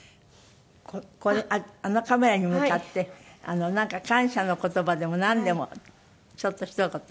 あのカメラに向かってなんか感謝の言葉でもなんでもちょっとひと言。